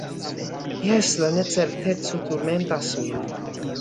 Jes, la necerteco turmentas min.